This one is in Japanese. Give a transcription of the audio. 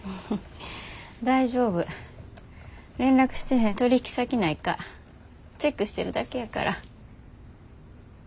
大丈夫。連絡してへん取引先ないかチェックしてるだけやから。